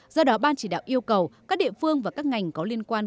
do đó ban chỉ đạo yêu cầu các địa phương và các ngành có liên quan